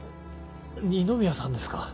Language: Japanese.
二宮さんですか？